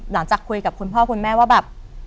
หลังจากคุยกับคุณพ่อคุณแม่ว่าแบบ